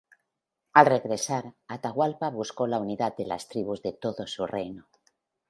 Al regresar, Atahualpa buscó la unidad de las tribus de todo su reino.